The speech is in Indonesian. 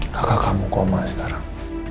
kakak kamu koma sekarang